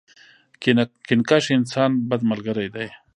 کینه کښ انسان ، بد ملګری دی.